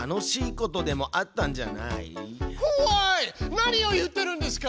何を言ってるんですか？